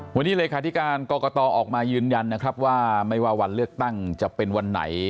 วันนี้เลขาธิการกรกตออกมายืนยันนะครับว่าไม่ว่าวันเลือกตั้งจะเป็นวันไหน